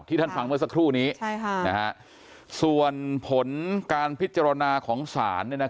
ที่ท่านฟังเมื่อสักครู่นี้ใช่ค่ะนะฮะส่วนผลการพิจารณาของสารเนี้ยนะครับ